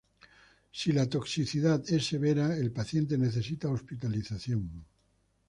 Si la toxicidad es severa el paciente necesita hospitalización.